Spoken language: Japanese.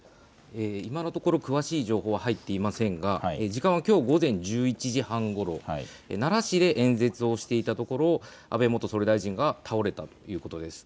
今のところ詳しい情報は入っていませんが時間はきょう午前１１時半ごろ、奈良市で演説をしていたところ、安倍元総理大臣が倒れたということです。